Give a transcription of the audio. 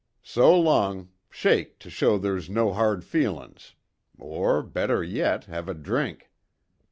So long shake, to show they's no hard feelin's or, better yet, have a drink."